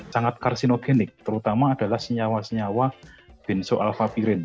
sangat karsinogenik terutama adalah senyawa senyawa benzoalfapirin